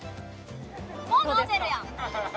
もう飲んでるよ！